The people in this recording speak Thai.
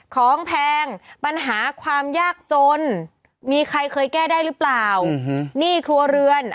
คุณช่วยเหลือกว่า๕๐ล้านคน